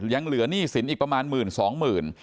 ยังเหลือหนี้สินอีกประมาณหมื่นสองหมื่น